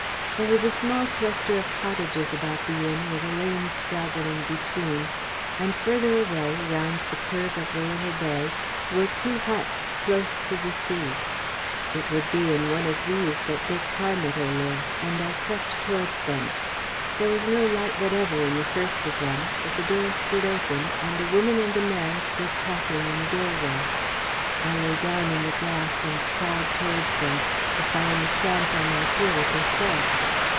There was a small cluster of cottages about the inn with a lane straggling between, and further away, round the curve of the little bay, were two huts close to the sea. It would be in one of these that Dick Parmiter lived, and I crept towards them. There was no light whatever in the first of them, but the door stood open, and a woman and a man stood talking in the doorway. I lay down in the grass and crawled towards them, if by any chance I might hear what they said.